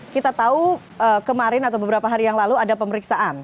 kita tahu kemarin atau beberapa hari yang lalu ada pemeriksaan